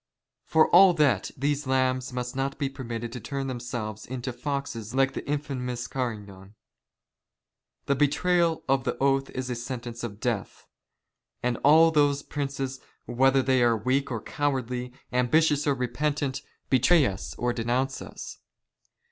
For all that, these lambs " must not be permitted to turn themselves into foxes like the " infamous Carignan. The betrayal of the oath is a sentence " of death ; and all those princes whether they are weak or " cowardly, ambitious or repentant, betray us, or denounce us.